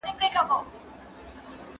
چي عطار دوکان ته راغی ډېر خپه سو